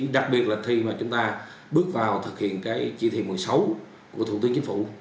đặc biệt là khi mà chúng ta bước vào thực hiện cái chỉ thị một mươi sáu của thủ tướng chính phủ